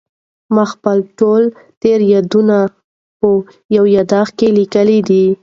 ما خپل ټول تېر یادونه په یو یادښت کې لیکلي دي.